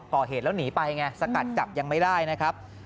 ก่อเหตุแล้วหนีไปไงสกัดจับยังไม่ได้นะครับ